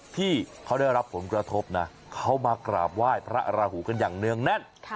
ที่เขาได้รับผลกระทบนะเขามากราบไหว้พระราหูกันอย่างเนื่องแน่น